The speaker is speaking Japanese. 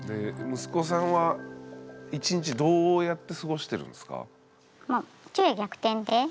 息子さんは１日どうやって過ごしてるんですか？